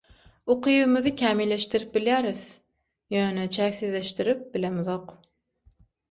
Ukybymyzy kämilleşdirip bilýäris, ýöne çäksizleşdirip bilemzok.